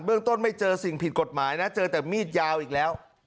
เรื่องต้นไม่เจอสิ่งผิดกฎหมายนะเจอแต่มีดยาวอีกแล้ว